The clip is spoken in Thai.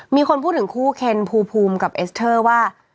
มีคนพูดถึงคู่เคนภูมิกับเอสเตอร์ว่า